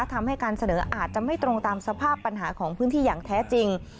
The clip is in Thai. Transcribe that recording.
ทำให้การเสนออาจจะไม่ตรงตามสภาพปัญหาของพื้นที่อย่างแท้จริง